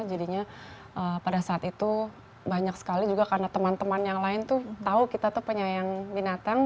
jadinya pada saat itu banyak sekali juga karena teman teman yang lain tuh tahu kita tuh penyayang binatang